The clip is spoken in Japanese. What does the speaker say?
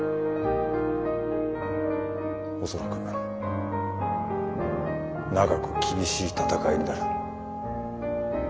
恐らく長く厳しい闘いになる。